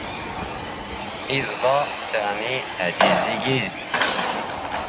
ⵉⵥⴹⴰ ⵙⴰⵎⵉ ⴰⴷ ⵉⵣⵣⵉⴳⵉⵣ.